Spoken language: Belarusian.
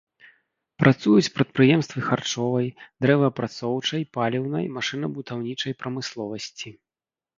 Працуюць прадпрыемствы харчовай, дрэваапрацоўчай, паліўнай, машынабудаўнічай прамысловасці.